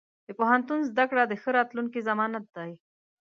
د پوهنتون زده کړه د ښه راتلونکي ضمانت دی.